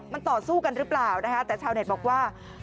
มันต่อสู้กันหรือเปล่านะคะแต่ชาวเน็ตบอกว่า